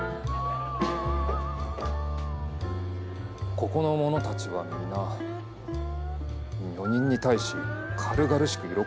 ここの者たちは皆女人に対し軽々しく色恋を語るのだな。